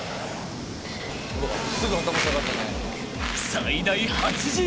［最大８Ｇ］